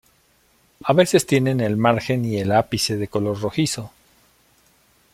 A veces tienen el margen y el ápice de color rojizo.